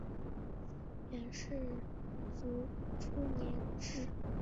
元世祖初年置。